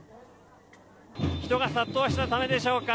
人が殺到したためでしょうか。